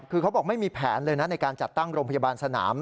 คือเขาบอกไม่มีแผนเลยนะในการจัดตั้งโรงพยาบาลสนาม